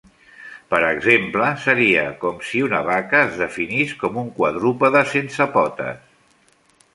Per exemple, seria com si una vaca es definís com un quadrúpede sense potes.